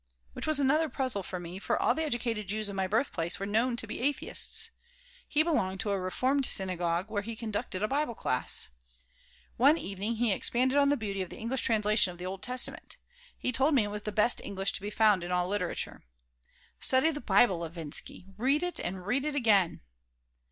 Which was another puzzle to me, for all the educated Jews of my birthplace were known to be atheists. He belonged to a Reformed synagogue, where he conducted a Bible class One evening he expanded on the beauty of the English translation of the Old Testament. He told me it was the best English to be found in all literature "Study the Bible, Levinsky! Read it and read it again."